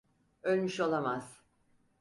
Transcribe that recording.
Ölmüş olamaz.